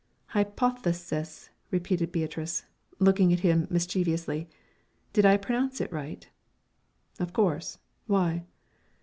"Hy poth e sis," repeated Beatrice, looking at him, mischievously; "did I pronounce it right?" "Of course why?"